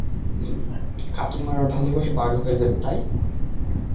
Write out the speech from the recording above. কাতোমার ভালোবাসা ভাগ হয়ে যাবে, তাই।